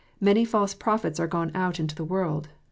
Many false prophets are gone out into the world."